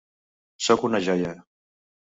Soc una joia.